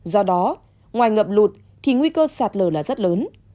do đó ngoài ngập lụt thì nguy cơ sạt lở là rất lớn